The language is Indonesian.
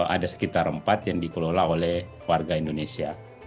ada sekitar empat yang dikelola oleh warga indonesia